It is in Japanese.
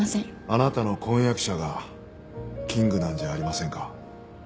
あなたの婚約者がキングなんじゃありませんか？